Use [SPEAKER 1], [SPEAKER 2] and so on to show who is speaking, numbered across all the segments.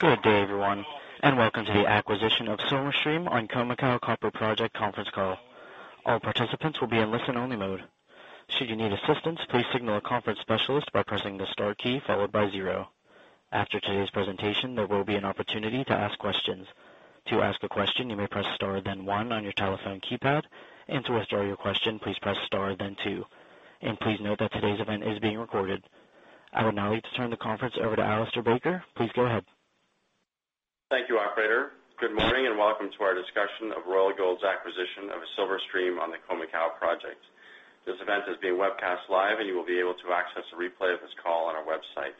[SPEAKER 1] Good day, everyone, welcome to the acquisition of silver stream on Khoemacau Copper Project conference call. All participants will be in listen-only mode. Should you need assistance, please signal a conference specialist by pressing the star key followed by zero. After today's presentation, there will be an opportunity to ask questions. To ask a question, you may press star then one on your telephone keypad, to withdraw your question, please press star then two. Please note that today's event is being recorded. I would now like to turn the conference over to Alistair Baker. Please go ahead.
[SPEAKER 2] Thank you, operator. Good morning, welcome to our discussion of Royal Gold's acquisition of a silver stream on the Khoemacau project. This event is being webcast live, you will be able to access a replay of this call on our website.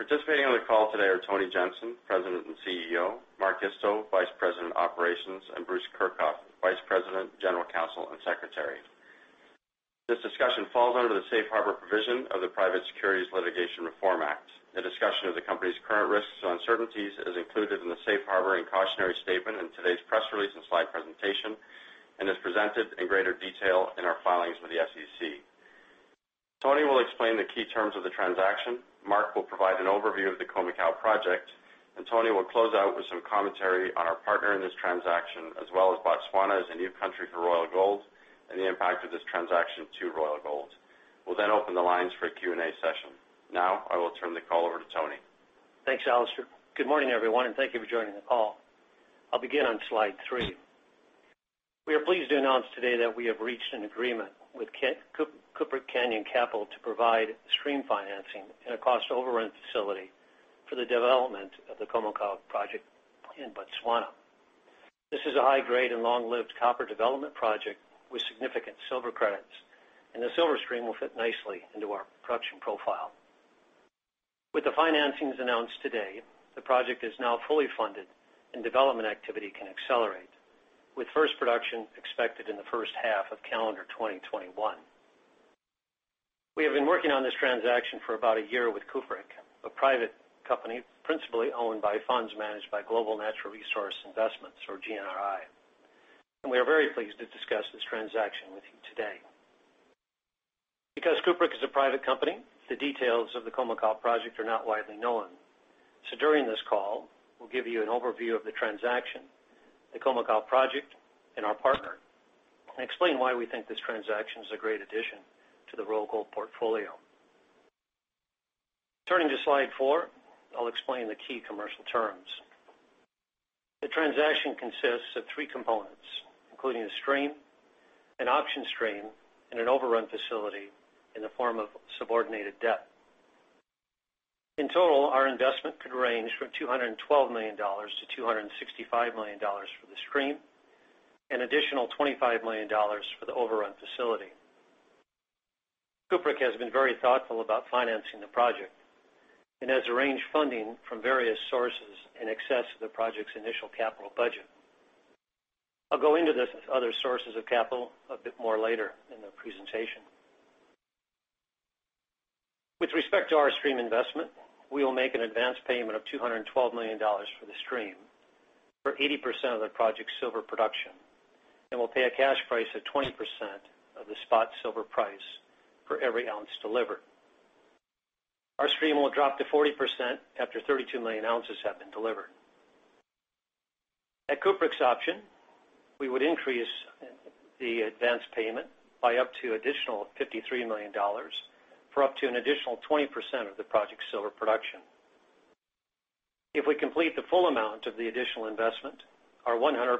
[SPEAKER 2] Participating on the call today are Tony Jensen, President and CEO, Mark Isto, Vice President of Operations, and Bruce Kirchhoff, Vice President, General Counsel, and Secretary. This discussion falls under the safe harbor provision of the Private Securities Litigation Reform Act. A discussion of the company's current risks and uncertainties is included in the safe harbor and cautionary statement in today's press release and slide presentation, is presented in greater detail in our filings with the SEC. Tony will explain the key terms of the transaction, Mark will provide an overview of the Khoemacau project, Tony will close out with some commentary on our partner in this transaction, as well as Botswana as a new country for Royal Gold and the impact of this transaction to Royal Gold. We'll open the lines for a Q&A session. I will turn the call over to Tony.
[SPEAKER 3] Thanks, Alistair. Good morning, everyone, thank you for joining the call. I'll begin on slide three. We are pleased to announce today that we have reached an agreement with Cupric Canyon Capital to provide stream financing and a cost overrun facility for the development of the Khoemacau project in Botswana. This is a high-grade and long-lived copper development project with significant silver credits, the silver stream will fit nicely into our production profile. With the financings announced today, the project is now fully funded and development activity can accelerate, with first production expected in the first half of calendar 2021. We have been working on this transaction for about a year with Cupric, a private company principally owned by funds managed by Global Natural Resource Investments, or GNRI, we are very pleased to discuss this transaction with you today. Because Cupric is a private company, the details of the Khoemacau project are not widely known. During this call, we'll give you an overview of the transaction, the Khoemacau project, and our partner, and explain why we think this transaction is a great addition to the Royal Gold portfolio. Turning to slide four, I'll explain the key commercial terms. The transaction consists of three components, including a stream, an option stream, and an overrun facility in the form of subordinated debt. In total, our investment could range from $212 million-$265 million for the stream, an additional $25 million for the overrun facility. Cupric has been very thoughtful about financing the project and has arranged funding from various sources in excess of the project's initial capital budget. I'll go into this other sources of capital a bit more later in the presentation. With respect to our stream investment, we will make an advance payment of $212 million for the stream for 80% of the project's silver production, and we'll pay a cash price of 20% of the spot silver price for every ounce delivered. Our stream will drop to 40% after 32 million ounces have been delivered. At Cupric's option, we would increase the advance payment by up to additional $53 million for up to an additional 20% of the project's silver production. If we complete the full amount of the additional investment, our 100%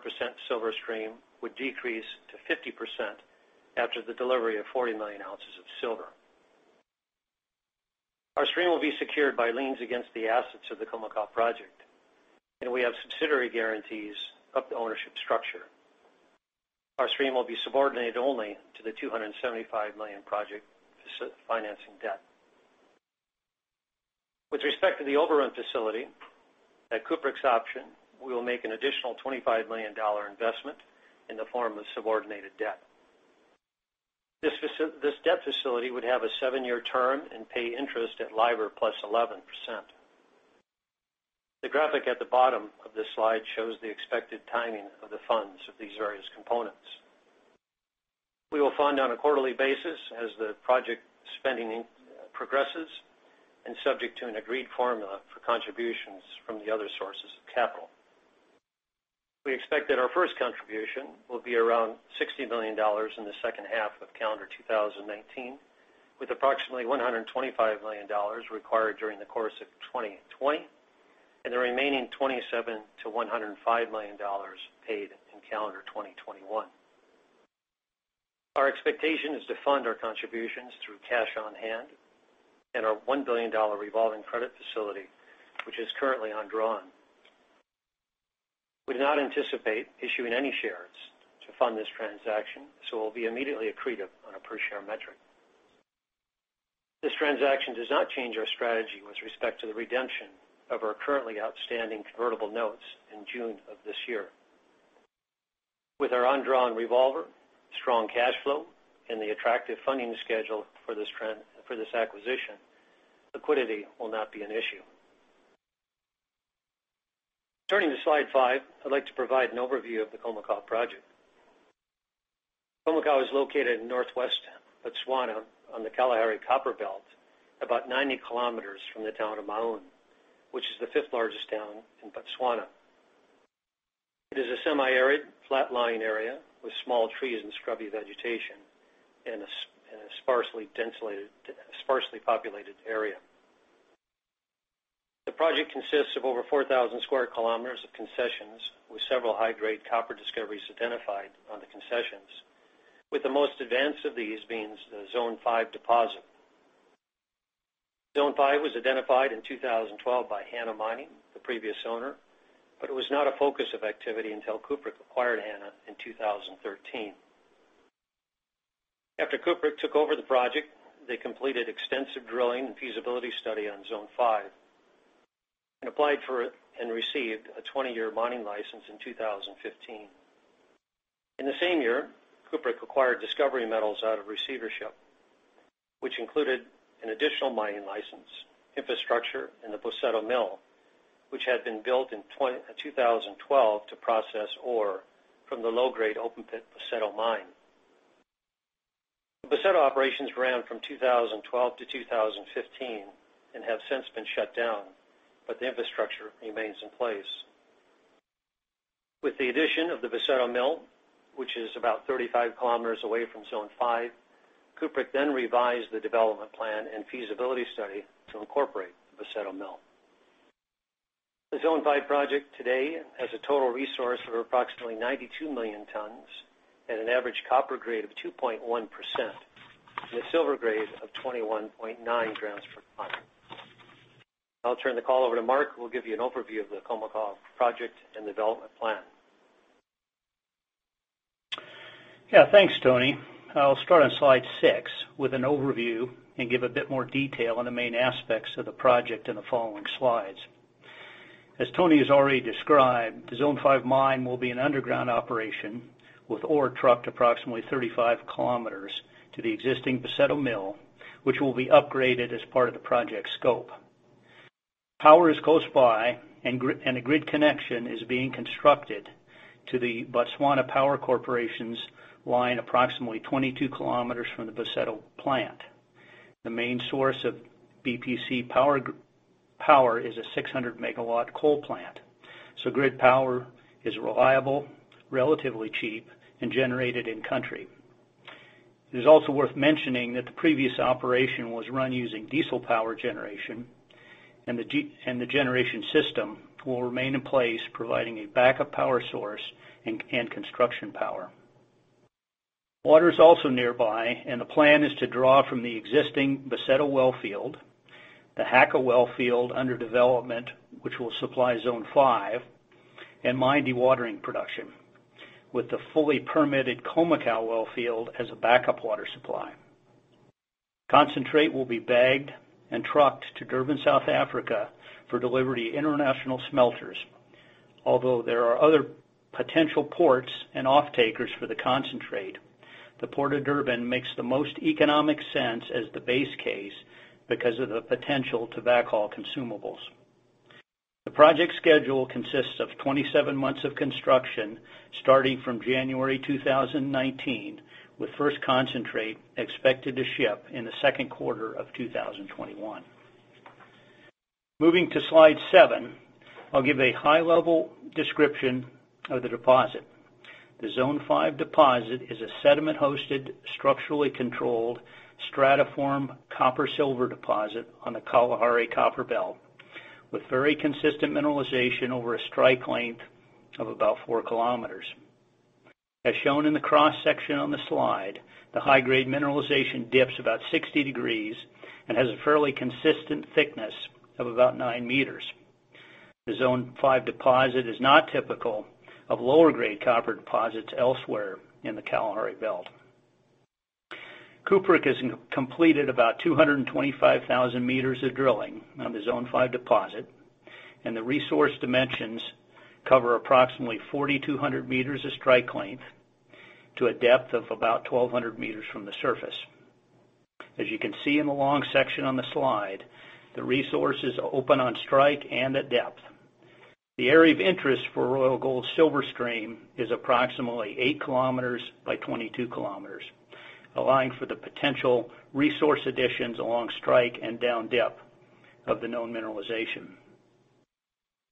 [SPEAKER 3] silver stream would decrease to 50% after the delivery of 40 million ounces of silver. Our stream will be secured by liens against the assets of the Khoemacau project, and we have subsidiary guarantees up the ownership structure. Our stream will be subordinated only to the $275 million project financing debt. With respect to the overrun facility, at Cupric's option, we will make an additional $25 million investment in the form of subordinated debt. This debt facility would have a seven-year term and pay interest at LIBOR +11%. The graphic at the bottom of this slide shows the expected timing of the funds of these various components. We will fund on a quarterly basis as the project spending progresses and subject to an agreed formula for contributions from the other sources of capital. We expect that our first contribution will be around $60 million in the second half of calendar 2019, with approximately $125 million required during the course of 2020 and the remaining $27 million-$105 million paid in calendar 2021. Our expectation is to fund our contributions through cash on hand and our $1 billion revolving credit facility, which is currently undrawn. We do not anticipate issuing any shares to fund this transaction, we'll be immediately accretive on a per-share metric. This transaction does not change our strategy with respect to the redemption of our currently outstanding convertible notes in June of this year. With our undrawn revolver, strong cash flow, and the attractive funding schedule for this acquisition, liquidity will not be an issue. Turning to slide five, I'd like to provide an overview of the Khoemacau project. Khoemacau is located in northwest Botswana on the Kalahari copper belt, about 90 km from the town of Maun, which is the fifth-largest town in Botswana. It is a semi-arid, flat-lying area with small trees and scrubby vegetation in a sparsely populated area. The project consists of over 4,000 sq km of concessions, with several high-grade copper discoveries identified on the concessions, with the most advanced of these being the Zone 5 deposit. Zone 5 was identified in 2012 by Hana Mining, the previous owner, but it was not a focus of activity until Cupric acquired Hana in 2013. After Cupric took over the project, they completed extensive drilling and feasibility study on Zone 5 and applied for and received a 20-year mining license in 2015. In the same year, Cupric acquired Discovery Metals out of receivership, which included an additional mining license, infrastructure, and the Boseto Mill, which had been built in 2012 to process ore from the low-grade open-pit Boseto Mine. The Boseto operations ran from 2012 to 2015 and have since been shut down, but the infrastructure remains in place. With the addition of the Boseto Mill, which is about 35 km away from Zone 5, Cupric then revised the development plan and feasibility study to incorporate Boseto Mill. The Zone 5 project today has a total resource of approximately 92 million tons and an average copper grade of 2.1% and a silver grade of 21.9 grams per ton. I'll turn the call over to Mark, who will give you an overview of the Khoemacau project and development plan.
[SPEAKER 4] Yeah. Thanks, Tony. I'll start on slide six with an overview and give a bit more detail on the main aspects of the project in the following slides. As Tony has already described, the Zone 5 mine will be an underground operation with ore trucked approximately 35 km to the existing Boseto Mill, which will be upgraded as part of the project scope. Power is close by, and a grid connection is being constructed to the Botswana Power Corporation's line approximately 22 km from the Boseto plant. The main source of BPC Power is a 600-MW coal plant, so grid power is reliable, relatively cheap, and generated in-country. It is also worth mentioning that the previous operation was run using diesel power generation, and the generation system will remain in place, providing a backup power source and construction power. Water is also nearby, and the plan is to draw from the existing Boseto wellfield, the Haka wellfield under development, which will supply Zone 5, and mine dewatering production, with the fully permitted Khoemacau wellfield as a backup water supply. Concentrate will be bagged and trucked to Durban, South Africa for delivery to international smelters. Although there are other potential ports and off-takers for the concentrate, the Port of Durban makes the most economic sense as the base case because of the potential to backhaul consumables. The project schedule consists of 27 months of construction starting from January 2019, with first concentrate expected to ship in the second quarter of 2021. Moving to slide seven, I'll give a high-level description of the deposit. The Zone 5 deposit is a sediment-hosted, structurally controlled, stratiform copper-silver deposit on the Kalahari Copper Belt with very consistent mineralization over a strike length of about 4 km. As shown in the cross-section on the slide, the high-grade mineralization dips about 60 degrees and has a fairly consistent thickness of about 9 meters. The Zone 5 deposit is not typical of lower-grade copper deposits elsewhere in the Kalahari belt. Cupric has completed about 225,000 meters of drilling on the Zone 5 deposit, and the resource dimensions cover approximately 4,200 meters of strike length to a depth of about 1,200 meters from the surface. As you can see in the long section on the slide, the resource is open on strike and at depth. The area of interest for Royal Gold Silver Stream is approximately 8 km by 22 km, allowing for the potential resource additions along strike and down depth of the known mineralization.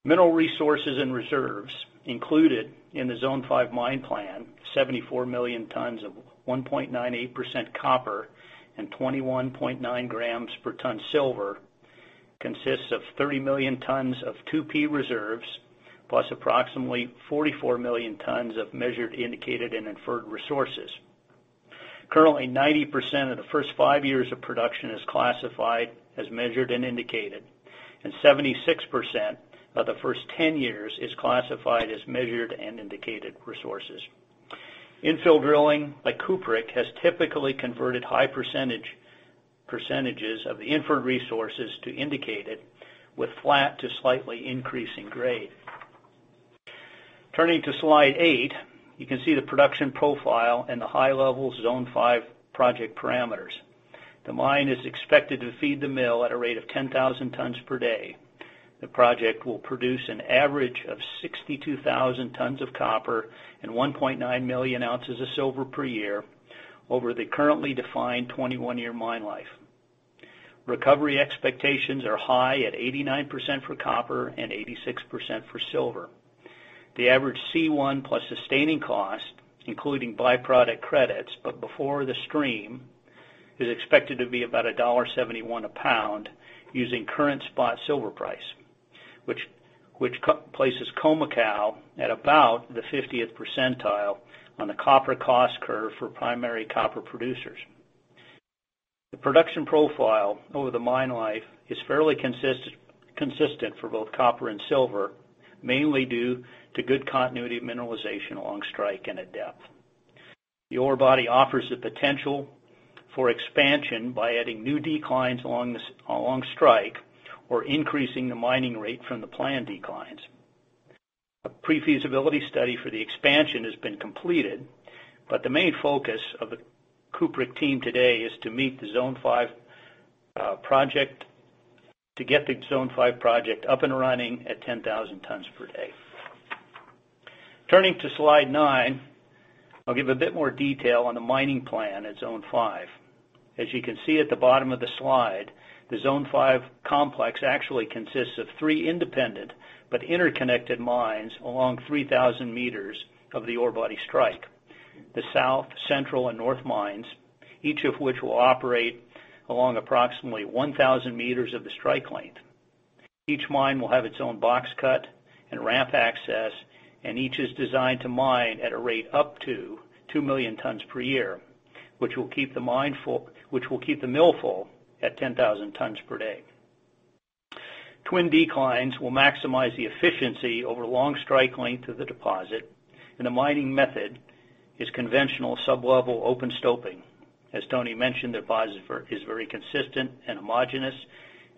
[SPEAKER 4] Mineral resources and reserves included in the Zone 5 mine plan, 74 million tons of 1.98% copper and 21.9 grams per ton silver, consists of 30 million tons of 2P reserves, plus approximately 44 million tons of measured, indicated, and inferred resources. Currently, 90% of the first five years of production is classified as measured and indicated, and 76% of the first 10 years is classified as measured and indicated resources. Infill drilling by Cupric has typically converted high percentages of the inferred resources to indicated, with flat to slightly increasing grade. Turning to slide eight, you can see the production profile and the high-level Zone 5 project parameters. The mine is expected to feed the mill at a rate of 10,000 tons per day. The project will produce an average of 62,000 tons of copper and 1.9 million ounces of silver per year over the currently defined 21-year mine life. Recovery expectations are high at 89% for copper and 86% for silver. The average C1 plus sustaining cost, including byproduct credits but before the stream, is expected to be about $1.71 a pound using current spot silver price, which places Khoemacau at about the 50th percentile on the copper cost curve for primary copper producers. The production profile over the mine life is fairly consistent for both copper and silver, mainly due to good continuity of mineralization along strike and at depth. The ore body offers the potential for expansion by adding new declines along strike or increasing the mining rate from the planned declines. A pre-feasibility study for the expansion has been completed. The main focus of the Cupric team today is to get the Zone 5 project up and running at 10,000 tons per day. Turning to slide nine, I'll give a bit more detail on the mining plan at Zone 5. As you can see at the bottom of the slide, the Zone 5 complex actually consists of three independent but interconnected mines along 3,000 meters of the ore body strike. The South, Central, and North mines, each of which will operate along approximately 1,000 meters of the strike length. Each mine will have its own box cut and ramp access, each is designed to mine at a rate up to 2 million tons per year, which will keep the mill full at 10,000 tons per day. Twin declines will maximize the efficiency over the long strike length of the deposit, and the mining method is conventional sub-level open stoping. As Tony mentioned, the deposit is very consistent and homogeneous,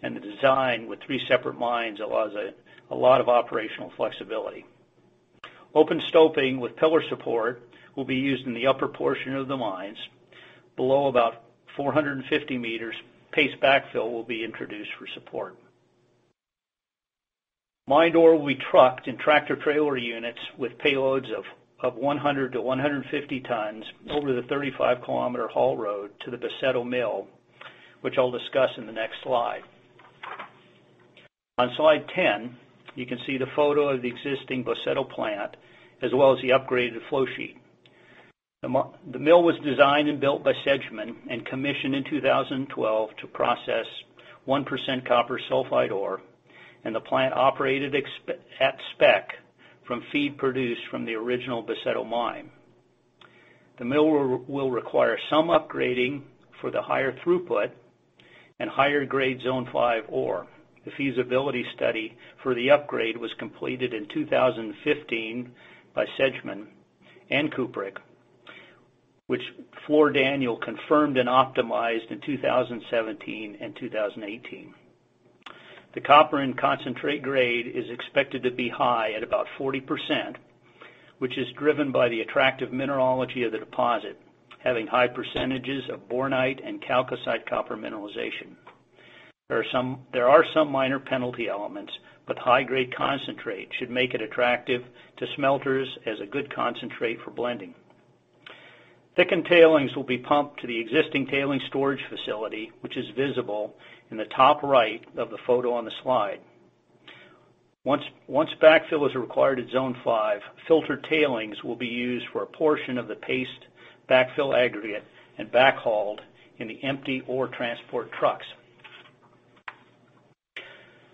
[SPEAKER 4] and the design with three separate mines allows a lot of operational flexibility. Open stoping with pillar support will be used in the upper portion of the mines. Below about 450 meters, paste backfill will be introduced for support. Mined ore will be trucked in tractor-trailer units with payloads of 100 to 150 tons over the 35-km haul road to the Boseto Mill, which I'll discuss in the next slide. On slide 10, you can see the photo of the existing Boseto plant, as well as the upgraded flow sheet. The mill was designed and built by Sedgman and commissioned in 2012 to process 1% copper sulfide ore, the plant operated at spec from feed produced from the original Boseto Mine. The mill will require some upgrading for the higher throughput and higher grade Zone 5 ore. The feasibility study for the upgrade was completed in 2015 by Sedgman and Cupric, which Fluor Daniel confirmed and optimized in 2017 and 2018. The copper and concentrate grade is expected to be high at about 40%, which is driven by the attractive mineralogy of the deposit, having high percentages of bornite and chalcocite copper mineralization. There are some minor penalty elements, but high-grade concentrate should make it attractive to smelters as a good concentrate for blending. Thickened tailings will be pumped to the existing tailings storage facility, which is visible in the top right of the photo on the slide. Once backfill is required at Zone 5, filtered tailings will be used for a portion of the paste backfill aggregate and back hauled in the empty ore transport trucks.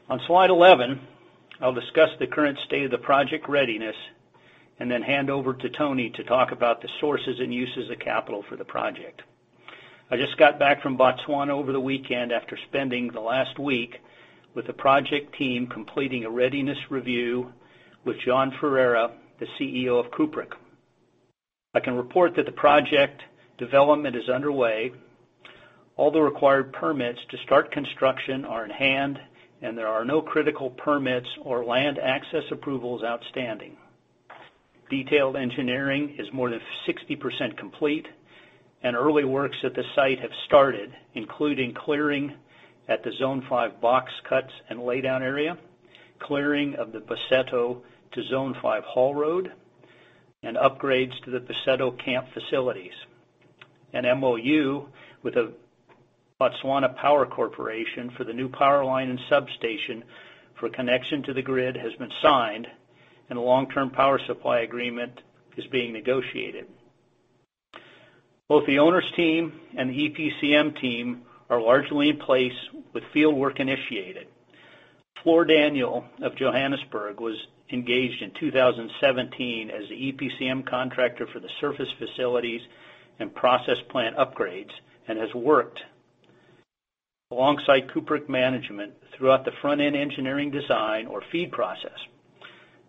[SPEAKER 4] On slide 11, I'll discuss the current state of the project readiness and then hand over to Tony to talk about the sources and uses of capital for the project. I just got back from Botswana over the weekend after spending the last week with the project team completing a readiness review with Johan Ferreira, the CEO of Cupric. I can report that the project development is underway. All the required permits to start construction are in hand, there are no critical permits or land access approvals outstanding. Detailed engineering is more than 60% complete, early works at the site have started, including clearing at the Zone 5 box cuts and laydown area, clearing of the Boseto to Zone 5 haul road, and upgrades to the Boseto Camp facilities. An MoU with the Botswana Power Corporation for the new power line and substation for connection to the grid has been signed, a long-term power supply agreement is being negotiated. Both the owner's team and the EPCM team are largely in place with fieldwork initiated. Fluor Daniel of Johannesburg was engaged in 2017 as the EPCM contractor for the surface facilities and process plant upgrades and has worked alongside Cupric management throughout the front-end engineering design or FEED process.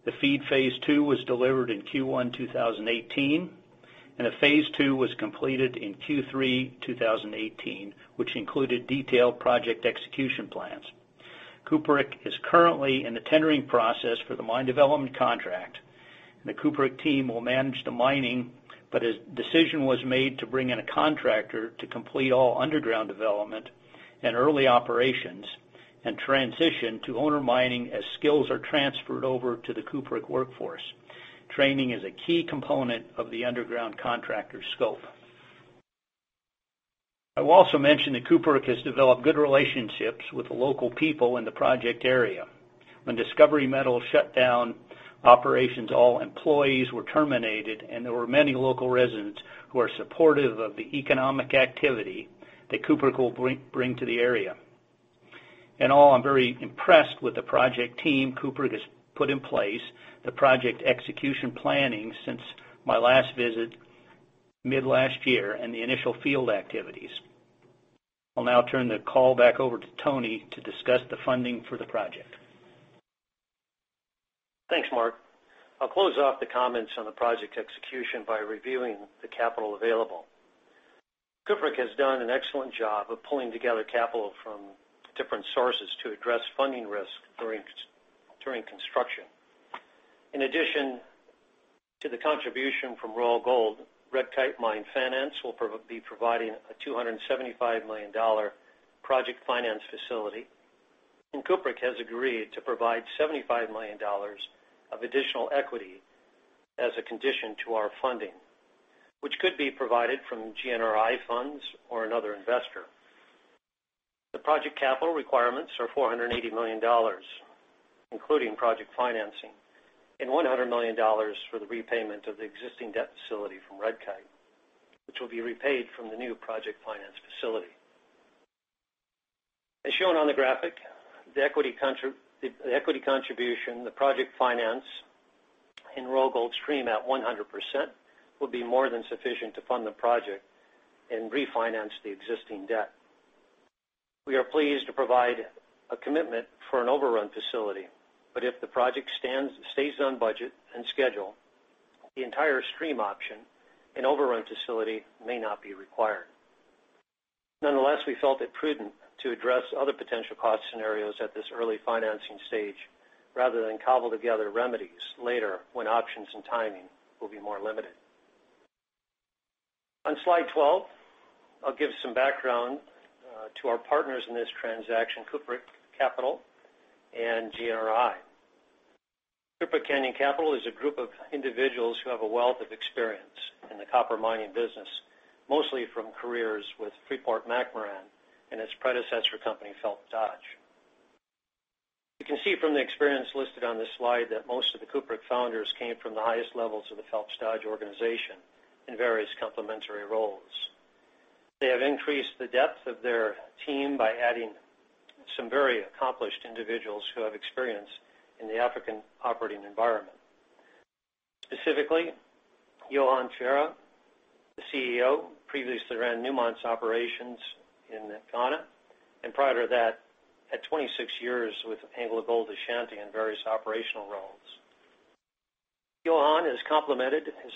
[SPEAKER 4] The FEED phase two was delivered in Q1 2018, and the phase two was completed in Q3 2018, which included detailed project execution plans. Cupric is currently in the tendering process for the mine development contract. The Cupric team will manage the mining, but a decision was made to bring in a contractor to complete all underground development and early operations and transition to owner mining as skills are transferred over to the Cupric workforce. Training is a key component of the underground contractor's scope. I will also mention that Cupric has developed good relationships with the local people in the project area. When Discovery Metals shut down operations, all employees were terminated, and there were many local residents who are supportive of the economic activity that Cupric will bring to the area. In all, I'm very impressed with the project team Cupric has put in place, the project execution planning since my last visit mid last year, and the initial field activities. I'll now turn the call back over to Tony to discuss the funding for the project.
[SPEAKER 3] Thanks, Mark. I'll close off the comments on the project execution by reviewing the capital available. Cupric has done an excellent job of pulling together capital from different sources to address funding risk during construction. In addition to the contribution from Royal Gold, Red Kite Mine Finance will be providing a $275 million project finance facility, and Cupric has agreed to provide $75 million of additional equity as a condition to our funding, which could be provided from GNRI funds or another investor. The project capital requirements are $480 million, including project financing, and $100 million for the repayment of the existing debt facility from Red Kite, which will be repaid from the new project finance facility. As shown on the graphic, the equity contribution, the project finance, and Royal Gold stream at 100% will be more than sufficient to fund the project and refinance the existing debt. We are pleased to provide a commitment for an overrun facility. If the project stays on budget and schedule, the entire stream option and overrun facility may not be required. Nonetheless, we felt it prudent to address other potential cost scenarios at this early financing stage, rather than cobble together remedies later when options and timing will be more limited. On slide 12, I'll give some background to our partners in this transaction, Cupric Capital and GNRI. Cupric Canyon Capital is a group of individuals who have a wealth of experience in the copper mining business, mostly from careers with Freeport-McMoRan and its predecessor company, Phelps Dodge. You can see from the experience listed on this slide that most of the Cupric founders came from the highest levels of the Phelps Dodge organization in various complementary roles. They have increased the depth of their team by adding some very accomplished individuals who have experience in the African operating environment. Specifically, Johan Ferreira, the CEO, previously ran Newmont's operations in Ghana, and prior to that, had 26 years with AngloGold Ashanti in various operational roles. Johan's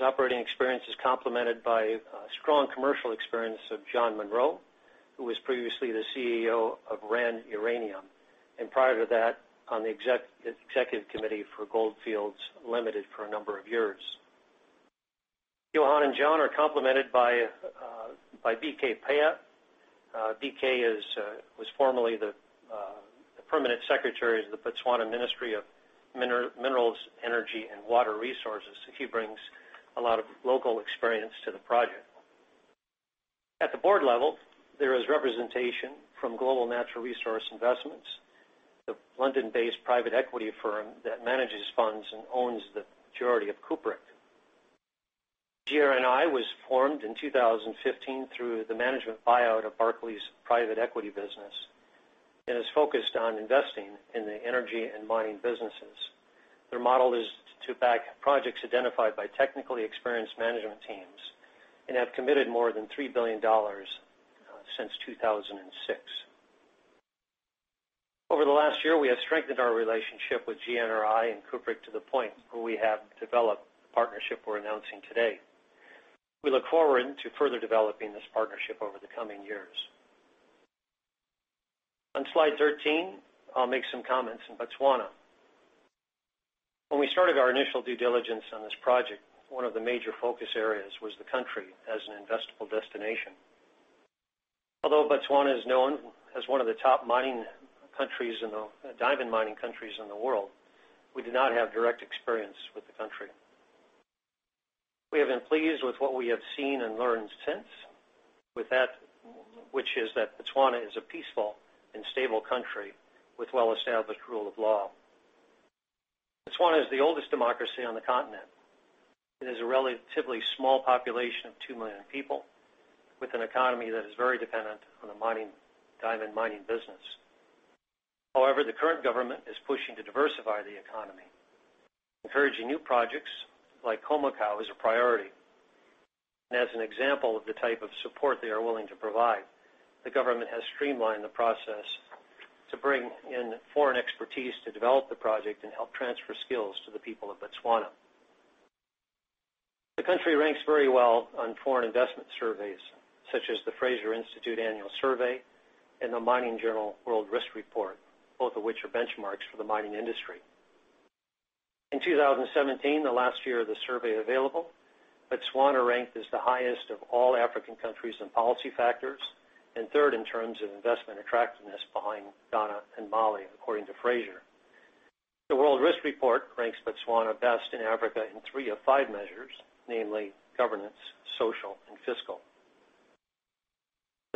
[SPEAKER 3] operating experience is complemented by strong commercial experience of John Munro, who was previously the CEO of Rand Uranium, and prior to that, on the executive committee for Gold Fields Limited for a number of years. Johan and John are complemented by BK Paya. BK was formerly the permanent secretary of the Botswana Ministry of Minerals, Energy, and Water Resources. He brings a lot of local experience to the project. At the board level, there is representation from Global Natural Resource Investments, the London-based private equity firm that manages funds and owns the majority of Cupric. GNRI was formed in 2015 through the management buyout of Barclays' private equity business and is focused on investing in the energy and mining businesses. Their model is to back projects identified by technically experienced management teams and have committed more than $3 billion since 2006. Over the last year, we have strengthened our relationship with GNRI and Cupric to the point where we have developed the partnership we are announcing today. We look forward to further developing this partnership over the coming years. On slide 13, I will make some comments on Botswana. When we started our initial due diligence on this project, one of the major focus areas was the country as an investable destination. Although Botswana is known as one of the top diamond mining countries in the world, we did not have direct experience with the country. We have been pleased with what we have seen and learned since, which is that Botswana is a peaceful and stable country with well-established rule of law. Botswana is the oldest democracy on the continent. It has a relatively small population of 2 million people, with an economy that is very dependent on the diamond mining business. However, the current government is pushing to diversify the economy. Encouraging new projects like Khoemacau is a priority, and as an example of the type of support they are willing to provide, the government has streamlined the process to bring in foreign expertise to develop the project and help transfer skills to the people of Botswana. The country ranks very well on foreign investment surveys, such as the Fraser Institute Annual Survey and the Mining Journal World Risk Report, both of which are benchmarks for the mining industry. In 2017, the last year of the survey available, Botswana ranked as the highest of all African countries in policy factors, and third in terms of investment attractiveness behind Ghana and Mali, according to Fraser. The World Risk Report ranks Botswana best in Africa in three of five measures, namely governance, social, and fiscal.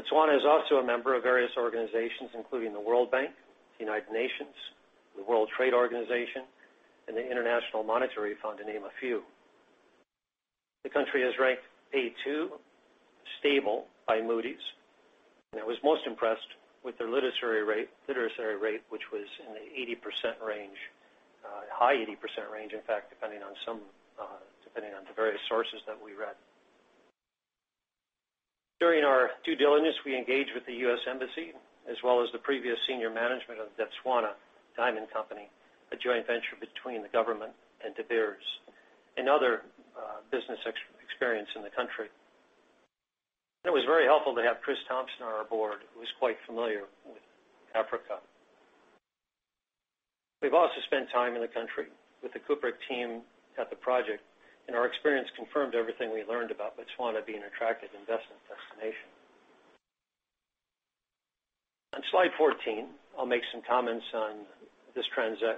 [SPEAKER 3] Botswana is also a member of various organizations, including the World Bank, the United Nations, the World Trade Organization, and the International Monetary Fund, to name a few. The country is ranked A2 stable by Moody's, and I was most impressed with their literacy rate, which was in the 80% range, high 80% range, in fact, depending on the various sources that we read. During our due diligence, we engaged with the U.S. Embassy, as well as the previous senior management of the Debswana Diamond Company, a joint venture between the government and De Beers, and other business experience in the country. It was very helpful to have Chris Thompson on our board, who is quite familiar with Africa. We've also spent time in the country with the Cupric team at the project, and our experience confirmed everything we learned about Botswana being an attractive investment destination. On slide 14, I'll make some comments on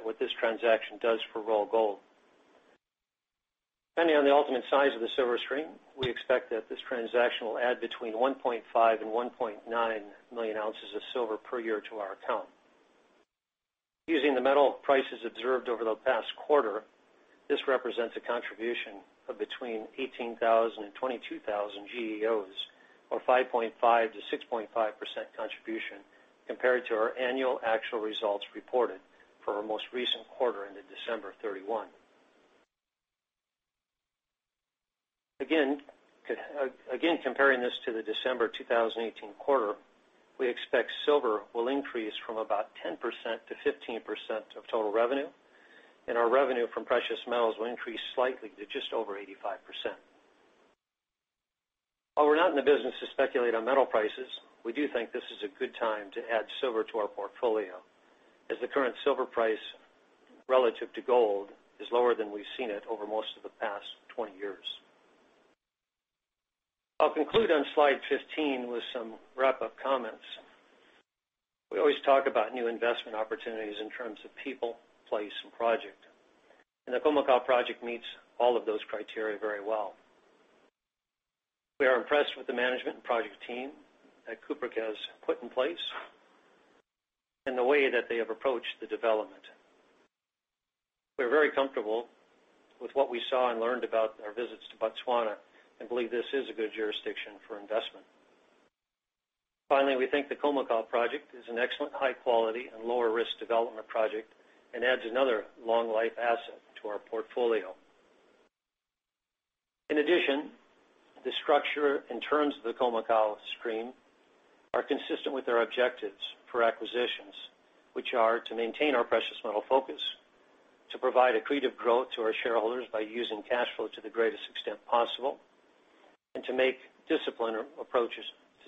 [SPEAKER 3] what this transaction does for Royal Gold. Depending on the ultimate size of the silver stream, we expect that this transaction will add between 1.5 and 1.9 million ounces of silver per year to our account. Using the metal prices observed over the past quarter, this represents a contribution of between 18,000 and 22,000 GEOs, or 5.5%-6.5% contribution compared to our annual actual results reported for our most recent quarter ended December 31. Again, comparing this to the December 2018 quarter, we expect silver will increase from about 10%-15% of total revenue, and our revenue from precious metals will increase slightly to just over 85%. While we're not in the business to speculate on metal prices, we do think this is a good time to add silver to our portfolio, as the current silver price relative to gold is lower than we've seen it over most of the past 20 years. I'll conclude on slide 15 with some wrap-up comments. We always talk about new investment opportunities in terms of people, place, and project, and the Khoemacau project meets all of those criteria very well. We are impressed with the management and project team that Cupric has put in place and the way that they have approached the development. We're very comfortable with what we saw and learned about our visits to Botswana and believe this is a good jurisdiction for investment. Finally, we think the Khoemacau project is an excellent high-quality and lower-risk development project and adds another long-life asset to our portfolio. In addition, the structure and terms of the Khoemacau stream are consistent with our objectives for acquisitions, which are to maintain our precious metal focus, to provide accretive growth to our shareholders by using cash flow to the greatest extent possible, and to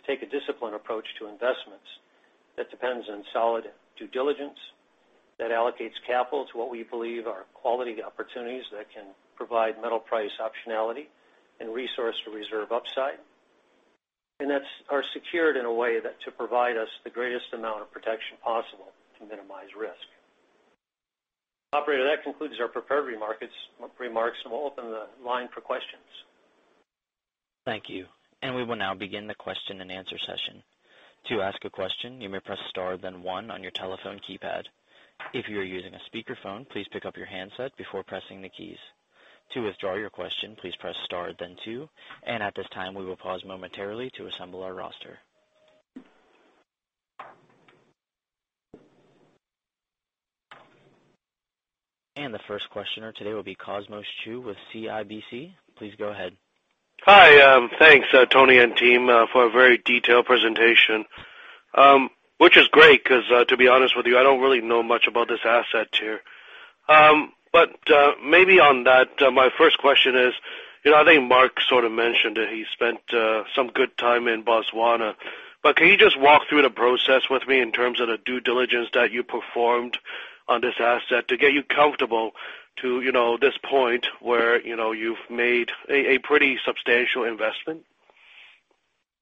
[SPEAKER 3] take a disciplined approach to investments that depends on solid due diligence, that allocates capital to what we believe are quality opportunities that can provide metal price optionality and resource to reserve upside, and that are secured in a way that to provide us the greatest amount of protection possible to minimize risk. Operator, that concludes our prepared remarks, and we'll open the line for questions.
[SPEAKER 1] Thank you. We will now begin the question and answer session. To ask a question, you may press star then one on your telephone keypad. If you are using a speakerphone, please pick up your handset before pressing the keys. To withdraw your question, please press star then two. At this time, we will pause momentarily to assemble our roster. The first questioner today will be Cosmos Chiu with CIBC. Please go ahead.
[SPEAKER 5] Hi. Thanks, Tony and team, for a very detailed presentation, which is great because, to be honest with you, I don't really know much about this asset here. Maybe on that, my first question is, I think Mark sort of mentioned that he spent some good time in Botswana, can you just walk through the process with me in terms of the due diligence that you performed on this asset to get you comfortable to this point where you've made a pretty substantial investment?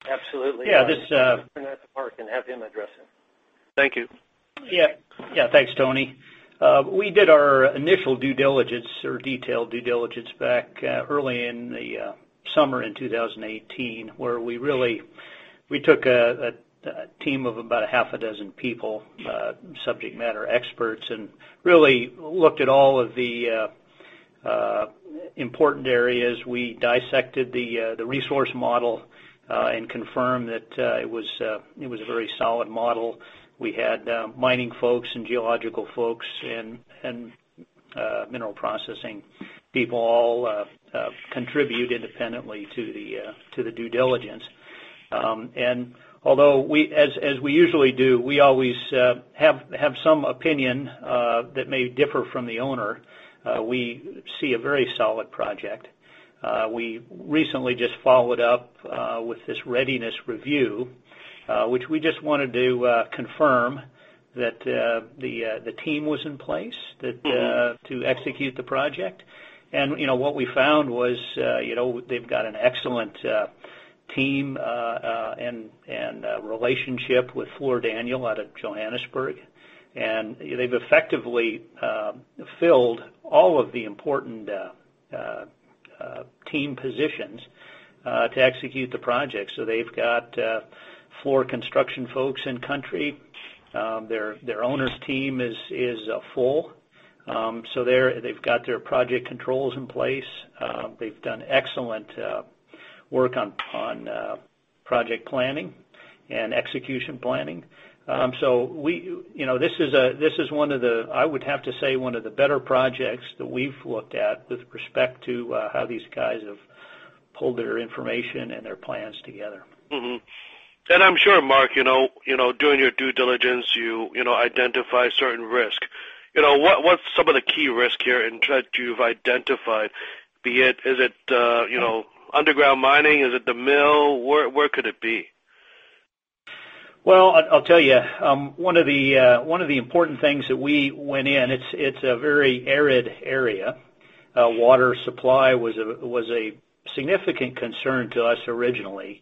[SPEAKER 3] Absolutely.
[SPEAKER 4] Yeah.
[SPEAKER 3] I'm going to turn it to Mark and have him address it.
[SPEAKER 5] Thank you.
[SPEAKER 4] Yeah. Thanks, Tony. We did our initial due diligence or detailed due diligence back early in the summer in 2018, where we took a team of about a half a dozen people, subject matter experts, and really looked at all of the important areas. We dissected the resource model and confirmed that it was a very solid model. We had mining folks and geological folks and mineral processing people all contribute independently to the due diligence. Although, as we usually do, we always have some opinion that may differ from the owner. We see a very solid project. We recently just followed up with this readiness review, which we just wanted to confirm that the team was in place to execute the project. What we found was they've got an excellent team and a relationship with Fluor Daniel out of Johannesburg, and they've effectively filled all of the important team positions to execute the project. They've got four construction folks in country. Their owner's team is full. They've got their project controls in place. They've done excellent work on project planning and execution planning. This is one of the, I would have to say, one of the better projects that we've looked at with respect to how these guys have pulled their information and their plans together.
[SPEAKER 5] I'm sure, Mark, during your due diligence, you identify certain risk. What's some of the key risk here that you've identified? Be it, is it underground mining? Is it the mill? Where could it be?
[SPEAKER 4] Well, I'll tell you, one of the important things that we went in, it's a very arid area. Water supply was a significant concern to us originally,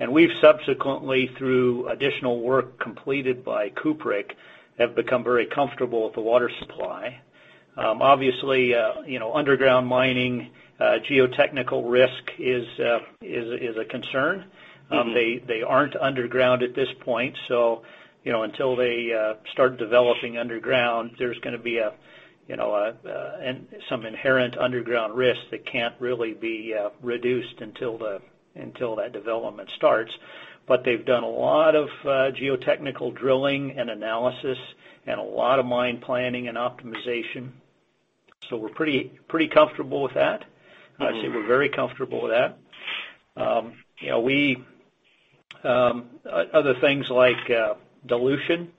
[SPEAKER 4] and we've subsequently, through additional work completed by Cupric, have become very comfortable with the water supply. Obviously, underground mining, geotechnical risk is a concern. They aren't underground at this point, until they start developing underground, there's going to be some inherent underground risk that can't really be reduced until that development starts. They've done a lot of geotechnical drilling and analysis and a lot of mine planning and optimization. We're pretty comfortable with that. I'd say we're very comfortable with that. Other things like dilution,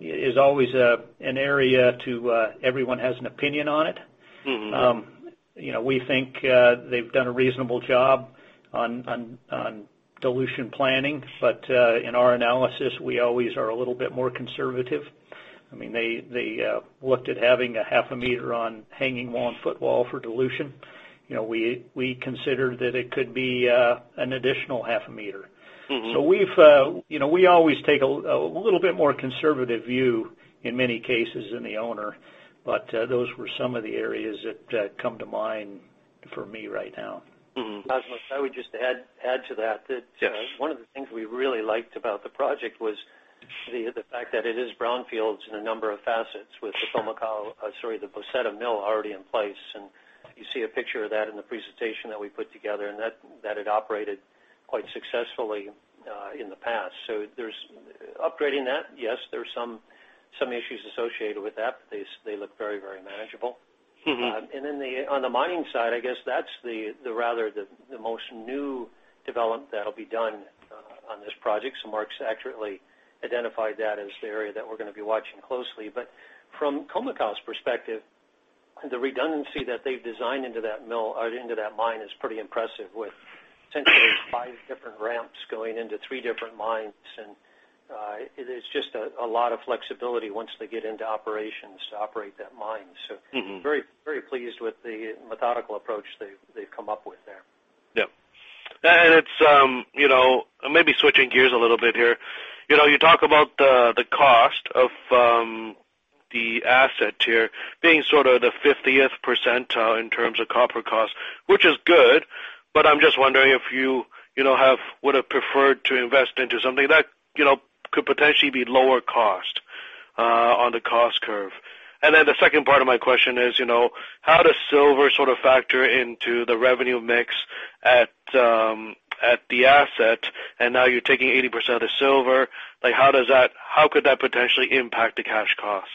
[SPEAKER 4] is always an area to everyone has an opinion on it. We think they've done a reasonable job on dilution planning. In our analysis, we always are a little bit more conservative. They looked at having a half a meter on hanging wall and footwall for dilution. We considered that it could be an additional half a meter. We always take a little bit more conservative view in many cases than the owner, but those were some of the areas that come to mind for me right now.
[SPEAKER 3] Cosmos, I would just add to that.
[SPEAKER 5] Yes.
[SPEAKER 3] One of the things we really liked about the project was the fact that it is brownfields in a number of facets with the Boseto Mill already in place. You see a picture of that in the presentation that we put together, and that had operated quite successfully in the past. There's upgrading that, yes, there's some issues associated with that, but they look very manageable. On the mining side, I guess that's the most new development that'll be done on this project. Mark's accurately identified that as the area that we're going to be watching closely. From Khoemacau's perspective, the redundancy that they've designed into that mill or into that mine is pretty impressive, with essentially five different ramps going into three different mines. It is just a lot of flexibility once they get into operations to operate that mine. Very pleased with the methodical approach they've come up with there.
[SPEAKER 5] Yep. Maybe switching gears a little bit here. You talk about the cost of the asset here being sort of the 50th percentile in terms of copper cost, which is good, but I'm just wondering if you would have preferred to invest into something that could potentially be lower cost on the cost curve. The second part of my question is, how does silver sort of factor into the revenue mix at the asset? Now you're taking 80% of the silver, how could that potentially impact the cash cost?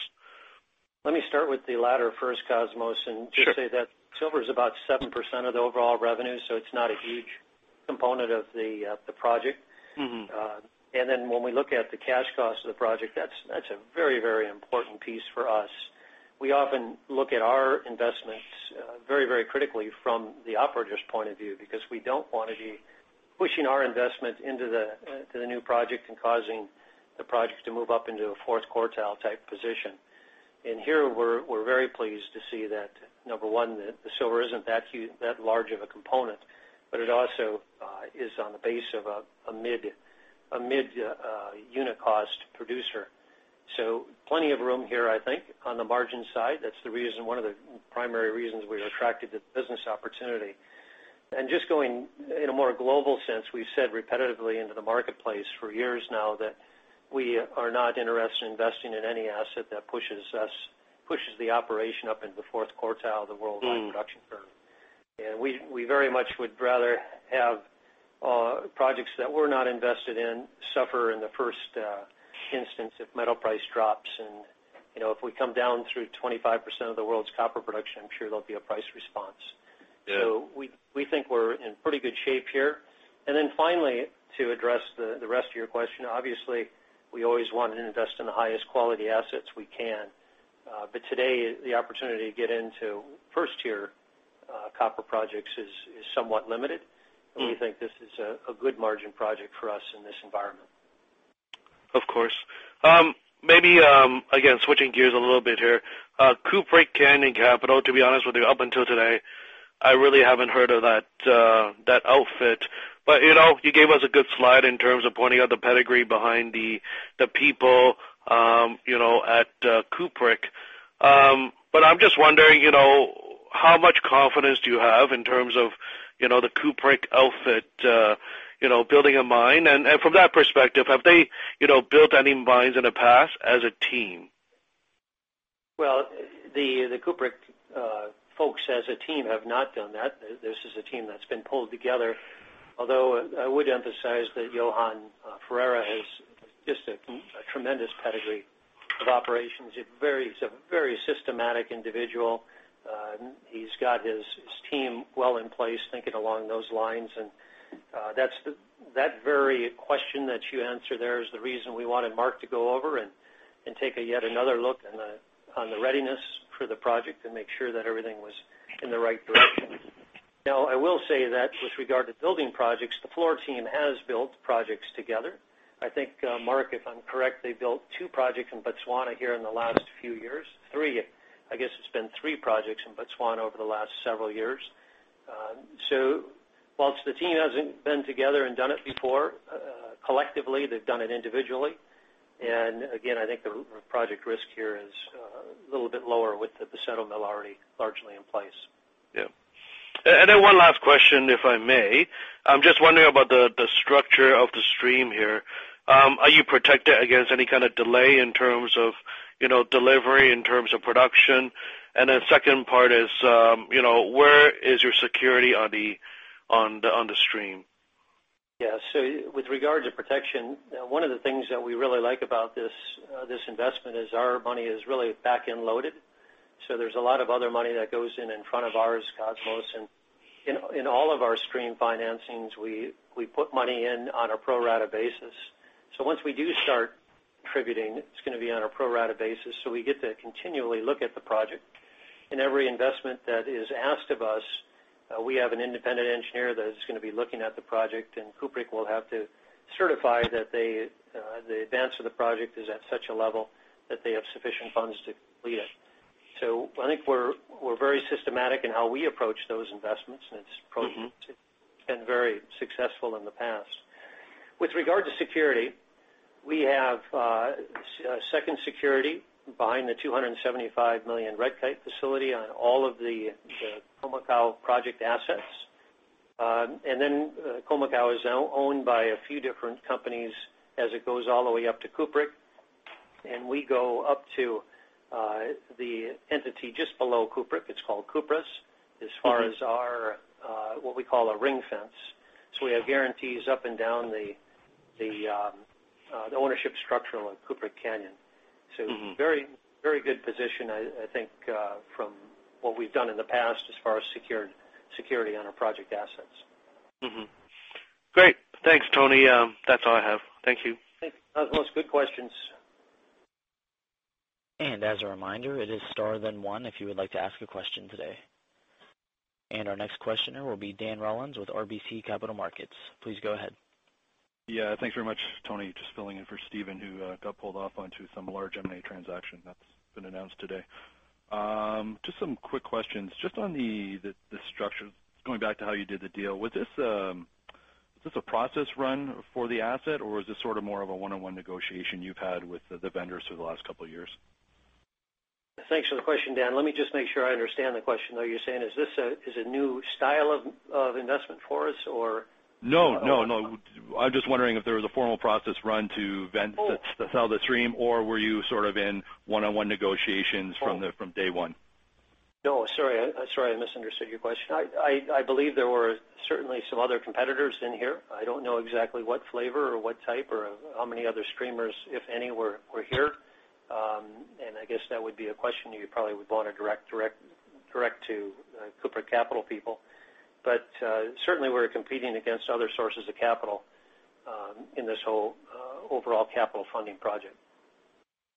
[SPEAKER 3] Let me start with the latter first, Cosmos, and just say that silver is about 7% of the overall revenue, so it's not a huge component of the project. When we look at the cash cost of the project, that's a very important piece for us. We often look at our investments very critically from the operator's point of view, because we don't want to be pushing our investment into the new project and causing the project to move up into a fourth quartile type position. Here we're very pleased to see that, number one, the silver isn't that large of a component, but it also is on the base of a mid unit cost producer. Plenty of room here, I think, on the margin side. That's one of the primary reasons we were attracted to the business opportunity. Just going in a more global sense, we've said repetitively into the marketplace for years now that we are not interested in investing in any asset that pushes the operation up into the fourth quartile of the worldwide production curve. We very much would rather have projects that we're not invested in suffer in the first instance if metal price drops. If we come down through 25% of the world's copper production, I'm sure there'll be a price response.
[SPEAKER 5] Yeah.
[SPEAKER 3] We think we're in pretty good shape here. Finally, to address the rest of your question, obviously, we always want to invest in the highest quality assets we can. Today, the opportunity to get into first-tier copper projects is somewhat limited, and we think this is a good margin project for us in this environment.
[SPEAKER 5] Of course. Maybe, again, switching gears a little bit here. Cupric Canyon Capital, to be honest with you, up until today, I really haven't heard of that outfit. You gave us a good slide in terms of pointing out the pedigree behind the people at Cupric. I'm just wondering, how much confidence do you have in terms of the Cupric outfit building a mine, and from that perspective, have they built any mines in the past as a team?
[SPEAKER 3] Well, the Cupric folks as a team have not done that. This is a team that's been pulled together. Although I would emphasize that Johan Ferreira has just a tremendous pedigree of operations. He's a very systematic individual. He's got his team well in place, thinking along those lines. That very question that you answer there is the reason we wanted Mark to go over and take yet another look on the readiness for the project and make sure that everything was in the right direction. Now, I will say that with regard to building projects, the Fluor team has built projects together. I think Mark, if I'm correct, they built two projects in Botswana here in the last few years. Three. I guess it's been three projects in Botswana over the last several years. Whilst the team hasn't been together and done it before, collectively, they've done it individually. Again, I think the project risk here is a little bit lower with the Boseto Mill already largely in place.
[SPEAKER 5] Yeah. One last question, if I may. I'm just wondering about the structure of the stream here. Are you protected against any kind of delay in terms of delivery, in terms of production? The second part is, where is your security on the stream?
[SPEAKER 3] Yeah. With regard to protection, one of the things that we really like about this investment is our money is really back-end loaded. There's a lot of other money that goes in in front of ours, Cosmos, and in all of our stream financings, we put money in on a pro rata basis. Once we do start tributing, it's going to be on a pro rata basis, so we get to continually look at the project. In every investment that is asked of us, we have an independent engineer that is going to be looking at the project, and Cupric will have to certify that the advance of the project is at such a level that they have sufficient funds to complete it. I think we're very systematic in how we approach those investments, and it's proven to been very successful in the past. With regard to security, we have second security behind the $275 million Red Kite facility on all of the Khoemacau project assets. Khoemacau is now owned by a few different companies as it goes all the way up to Cupric, and we go up to the entity just below Cupric, it's called Cuprous, as far as our what we call a ring fence. We have guarantees up and down the ownership structure on Cupric Canyon. Very good position, I think, from what we've done in the past as far as security on our project assets.
[SPEAKER 5] Great. Thanks, Tony. That's all I have. Thank you.
[SPEAKER 3] Thanks, Cosmos. Good questions.
[SPEAKER 1] As a reminder, it is star then one if you would like to ask a question today. Our next questioner will be Dan Rollins with RBC Capital Markets. Please go ahead.
[SPEAKER 6] Thanks very much, Tony. Just filling in for Steven, who got pulled off onto some large M&A transaction that's been announced today. Just some quick questions. Just on the structure, going back to how you did the deal, was this a process run for the asset, or was this sort of more of a one-on-one negotiation you've had with the vendors through the last couple of years?
[SPEAKER 3] Thanks for the question, Dan. Let me just make sure I understand the question, though. You're saying, is a new style of investment for us or?
[SPEAKER 6] No, I'm just wondering if there was a formal process run to.
[SPEAKER 3] Oh.
[SPEAKER 6] Sell the stream, or were you sort of in one-on-one negotiations from day one?
[SPEAKER 3] No. Sorry, I misunderstood your question. I believe there were certainly some other competitors in here. I don't know exactly what flavor or what type or how many other streamers, if any, were here. I guess that would be a question you probably would want to direct to Cupric Capital people. Certainly we're competing against other sources of capital in this whole overall capital funding project.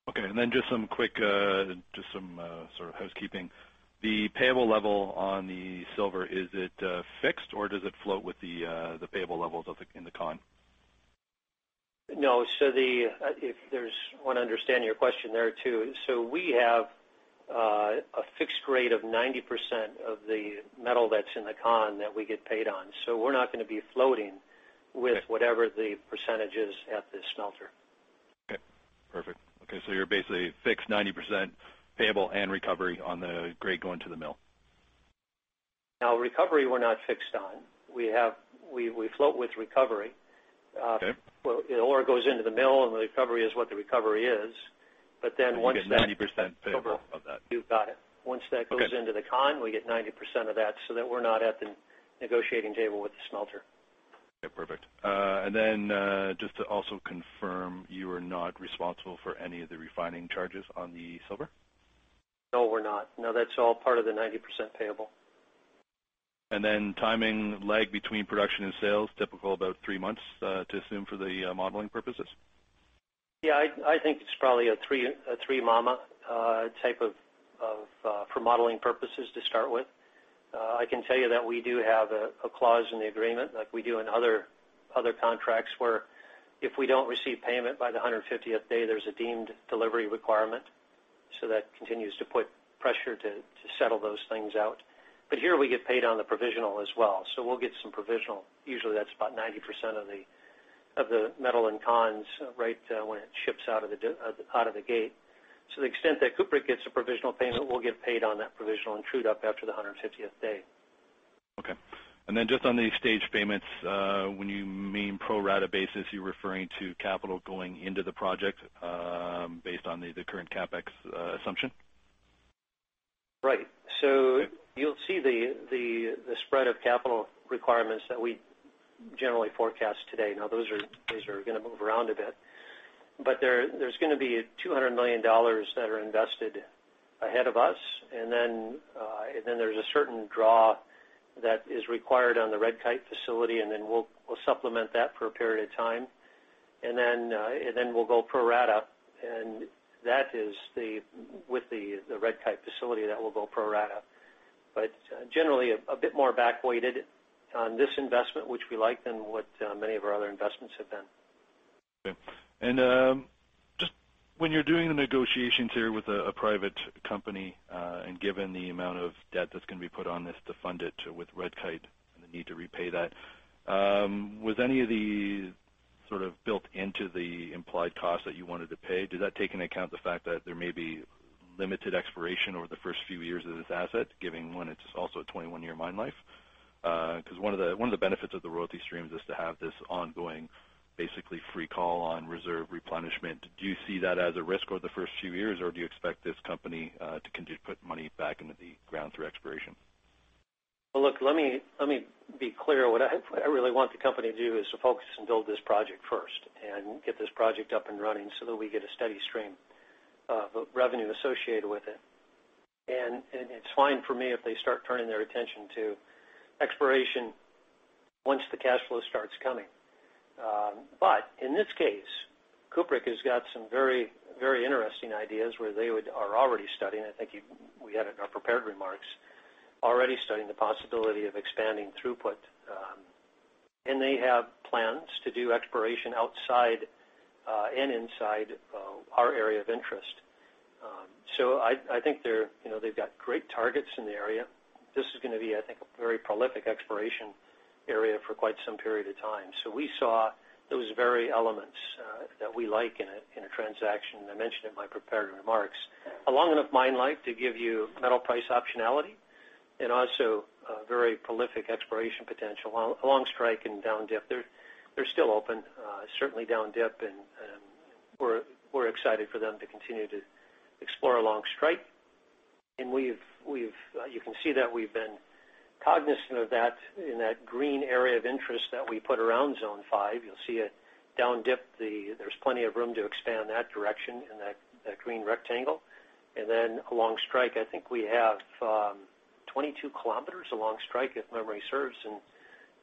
[SPEAKER 6] Okay. Then just some quick, sort of housekeeping. The payable level on the silver, is it fixed, or does it float with the payable levels in the con?
[SPEAKER 3] No. I want to understand your question there, too. We have a fixed rate of 90% of the metal that's in the con that we get paid on. We're not going to be floating with whatever the percentage is at the smelter.
[SPEAKER 6] Okay. Perfect. Okay, so you're basically fixed 90% payable and recovery on the grade going to the mill.
[SPEAKER 3] Now, recovery, we're not fixed on. We float with recovery.
[SPEAKER 6] Okay.
[SPEAKER 3] The ore goes into the mill, and the recovery is what the recovery is.
[SPEAKER 6] You get 90% payable of that.
[SPEAKER 3] You've got it. Once that goes into the con, we get 90% of that so that we're not at the negotiating table with the smelter.
[SPEAKER 6] Okay, perfect. Just to also confirm, you are not responsible for any of the refining charges on the silver?
[SPEAKER 3] No, we're not. No, that's all part of the 90% payable.
[SPEAKER 6] Timing lag between production and sales, typical about three months to assume for the modeling purposes?
[SPEAKER 3] I think it's probably a three-month type for modeling purposes to start with. I can tell you that we do have a clause in the agreement, like we do in other contracts, where if we don't receive payment by the 150th day, there's a deemed delivery requirement. That continues to put pressure to settle those things out. Here, we get paid on the provisional as well, we'll get some provisional. Usually, that's about 90% of the metal in cons right when it ships out of the gate. To the extent that Cupric gets a provisional payment, we'll get paid on that provisional and trued up after the 150th day.
[SPEAKER 6] Just on the stage payments, when you mean pro rata basis, you're referring to capital going into the project based on the current CapEx assumption?
[SPEAKER 3] Right. You'll see the spread of capital requirements that we generally forecast today. Now, those are going to move around a bit. There's going to be $200 million that are invested ahead of us. Then there's a certain draw that is required on the Red Kite facility, then we'll supplement that for a period of time. Then we'll go pro rata. With the Red Kite facility, that will go pro rata. Generally, a bit more back-weighted on this investment, which we like, than what many of our other investments have been.
[SPEAKER 6] Okay. Just when you're doing the negotiations here with a private company, given the amount of debt that's going to be put on this to fund it with Red Kite and the need to repay that, was any of the built into the implied cost that you wanted to pay? Does that take into account the fact that there may be limited exploration over the first few years of this asset, given when it's also a 21-year mine life? One of the benefits of the royalty streams is to have this ongoing, basically free call on reserve replenishment. Do you see that as a risk over the first few years, or do you expect this company to put money back into the ground through exploration?
[SPEAKER 3] Well, look, let me be clear. What I really want the company to do is to focus and build this project first and get this project up and running so that we get a steady stream of revenue associated with it. It's fine for me if they start turning their attention to exploration once the cash flow starts coming. In this case, Cupric has got some very interesting ideas where they are already studying, I think we had it in our prepared remarks, already studying the possibility of expanding throughput. They have plans to do exploration outside and inside our area of interest. I think they've got great targets in the area. This is going to be, I think, a very prolific exploration area for quite some period of time. We saw those very elements that we like in a transaction, I mentioned in my prepared remarks, a long enough mine life to give you metal price optionality also a very prolific exploration potential along strike and down dip. They're still open, certainly down dip, we're excited for them to continue to explore along strike. You can see that we've been cognizant of that in that green area of interest that we put around Zone 5. You'll see it down dip, there's plenty of room to expand that direction in that green rectangle. Then along strike, I think we have 22 km along strike, if memory serves,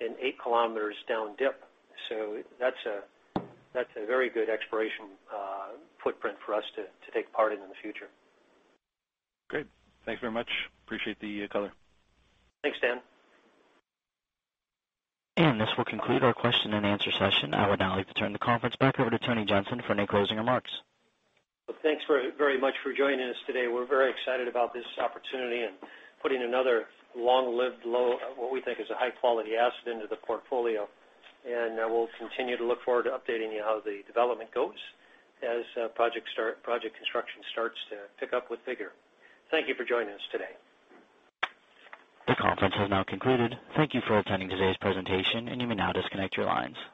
[SPEAKER 3] and 8 km down dip. That's a very good exploration footprint for us to take part in the future.
[SPEAKER 6] Great. Thank you very much. Appreciate the color.
[SPEAKER 3] Thanks, Dan.
[SPEAKER 1] This will conclude our question and answer session. I would now like to turn the conference back over to Tony Jensen for any closing remarks.
[SPEAKER 3] Thanks very much for joining us today. We're very excited about this opportunity and putting another long-lived, what we think is a high-quality asset into the portfolio. We'll continue to look forward to updating you how the development goes as project construction starts to pick up with vigor. Thank you for joining us today.
[SPEAKER 1] The conference has now concluded. Thank you for attending today's presentation, and you may now disconnect your lines.